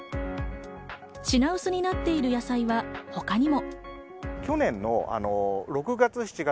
品薄になっている野菜は他にも。